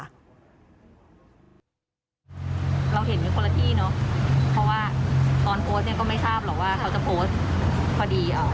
อะไรแบบนี้คือทำได้แค่ไม่ชอบไม่ปวนที่จะไปด่า